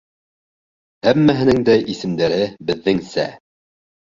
Һәммәһенең дә исемдәре беҙҙеңсә.